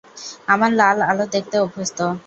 আমারা লাল আলো দেখে অভ্যস্ত।